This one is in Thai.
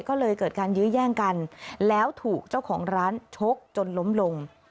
ก็เลยเกิดการยื้อแย่งกันแล้วถูกเจ้าของร้านชกจนล้มลง